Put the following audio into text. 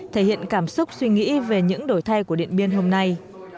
thể hiện cảm xúc suy nghĩ về những đổi thay của điện biên hôm nay